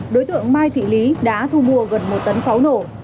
đối tượng mai thị lý đã thu mua gần một tấn pháo nổ